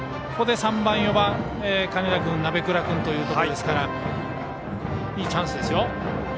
ここで３番、４番金田君、鍋倉君というところですからいいチャンスですよ。